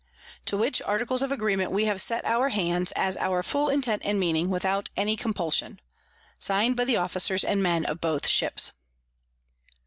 To which Articles of Agreement we have set our Hands, as our full Intent and Meaning, without any Compulsion. Sign'd by the Officers and Men of both Ships.